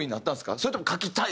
それとも書きたい？